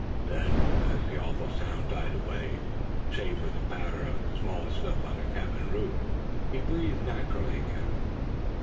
Then, as the awful sounds died away, save for the patter of small stuff on the cabin roof, he breathed naturally again.